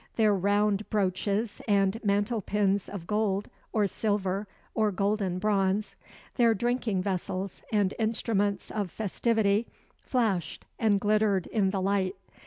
Their round brooches and mantle pins of gold or silver or golden bronze, their drinking vessels and instruments of festivity, flashed and glittered in the light.